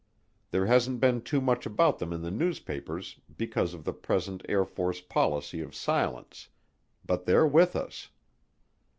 There hasn't been too much about them in the newspapers because of the present Air Force policy of silence, but they're with us.